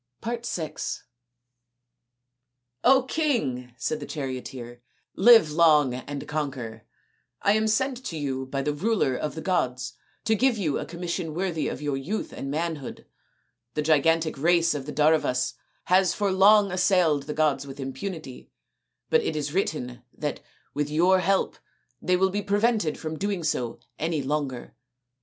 VI " King," said the charioteer, " live long and conquer. I am sent to you by the ruler of the gods to give you a commission worthy of your youth and manhood. The gigantic race of the Daravas has for long assailed the gods with impunity, but it is written that, with your help, they will be prevented from doing so any longer.